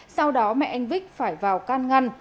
sau đó mẹ anh vích phải vào can ngăn